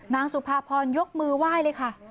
นางสุภาพรยกมือไหว้เลยค่ะ